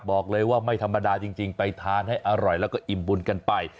บอกเลยว่าไม่ธรรมดาจริงไปทานให้อร่อยแล้วก็อิ่มบุญกันไป